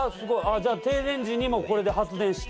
じゃあ停電時にもこれで発電して。